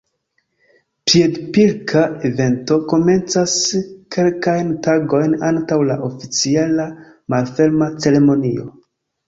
Piedpilka evento komencas kelkajn tagojn antaŭ la oficiala malferma ceremonio.